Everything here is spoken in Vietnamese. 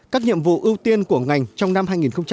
các nhiệm vụ ưu tiên của ngành trong năm hai nghìn một mươi bảy